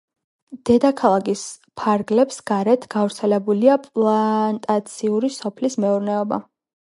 დედაქალაქის ფარგლებს გარეთ გავრცელებულია პლანტაციური სოფლის მეურნეობა.